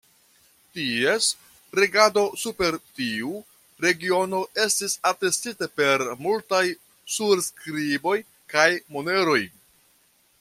Ties regado super tiu regiono estis atestita per multaj surskriboj kaj moneroj.